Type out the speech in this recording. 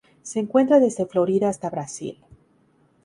Se encuentra desde Florida hasta Brasil.